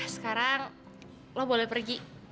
sekarang lo boleh pergi